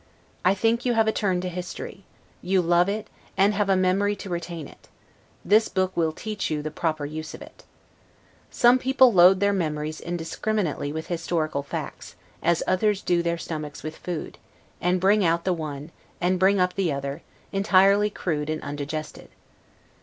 I think you have a turn to history, you love it, and have a memory to retain it: this book will teach you the proper use of it. Some people load their memories indiscriminately with historical facts, as others do their stomachs with food; and bring out the one, and bring up the other, entirely crude and undigested.